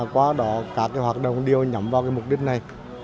qua đó các hoạt động đều nhắm vào mục đích này